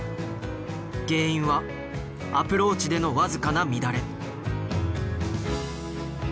原因はアプローチでの僅かな乱れ。